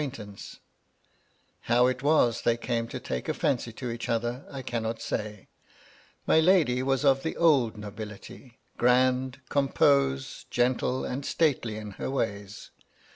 quaintance. How it was that they came to take a &Dcy to each other, I cannot say. My lady was of the old nobility, — grand, composed, gentle, and stately in her ways.